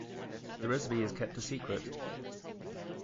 The recipe is kept a secret.